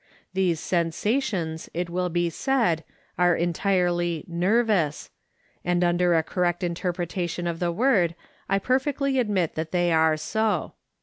These sensations, it will be said, are entirely "nervous," and under a correct interpretation of the word I perfectly admit that they are so.